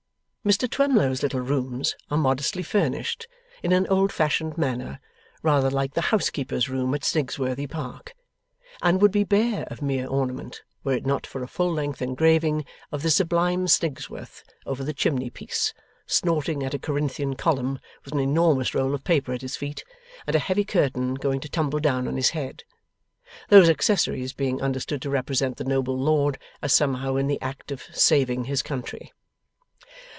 Mr Twemlow's little rooms are modestly furnished, in an old fashioned manner (rather like the housekeeper's room at Snigsworthy Park), and would be bare of mere ornament, were it not for a full length engraving of the sublime Snigsworth over the chimneypiece, snorting at a Corinthian column, with an enormous roll of paper at his feet, and a heavy curtain going to tumble down on his head; those accessories being understood to represent the noble lord as somehow in the act of saving his country.